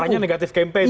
arahnya negatif sekali